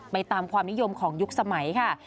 ตามความนิยมของยุคสมัยค่ะ